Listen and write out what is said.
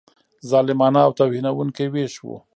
ظالمانه او توهینونکی وېش وو.